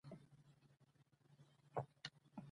هندوکش د افغانستان د امنیت په اړه هم اغېز لري.